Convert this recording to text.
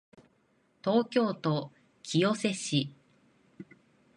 東京都清瀬市